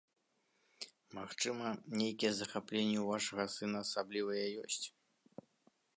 Магчыма, нейкія захапленні ў вашага сына асаблівыя ёсць.